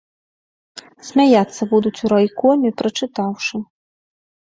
Смяяцца будуць у райкоме, прачытаўшы.